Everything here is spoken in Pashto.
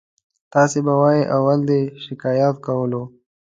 تاسې به وایئ اول دې شکایت کولو.